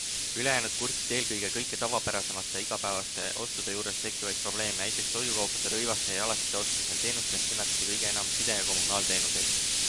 Ülejäänud kurtsid eelkõige kõike tavapärasemate igapäevaste ostude juures tekkivaid probleeme, näiteks toidukaupade, rõivaste ja jalatsite ostmisel, teenustest nimetati kõige enam side- ja kommunaalteenuseid.